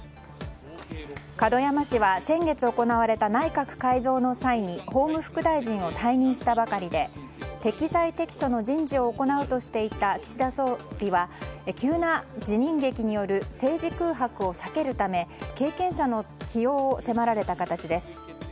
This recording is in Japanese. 門山氏は先月行われた内閣改造の際に、法務副大臣を退任したばかりで適材適所の人事を行うとしていた岸田総理は急な辞任劇による政治空白を避けるため経験者の起用を迫られた形です。